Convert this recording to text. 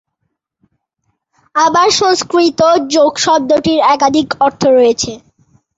আবার সংস্কৃত "যোগ" শব্দটির একাধিক অর্থ রয়েছে।